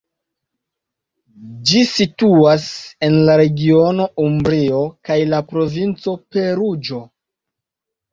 Ĝi situas en la regiono Umbrio kaj la provinco Peruĝo.